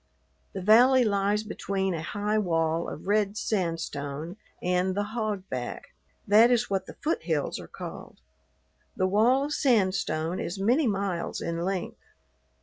The valley lies between a high wall of red sandstone and the "hogback," that is what the foothills are called. The wall of sandstone is many miles in length.